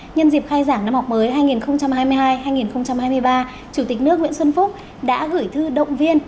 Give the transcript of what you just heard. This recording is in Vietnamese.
nhân dịp khai giảng năm học mới hai nghìn hai mươi hai hai nghìn hai mươi ba chủ tịch nước nguyễn xuân phúc đã gửi thư động viên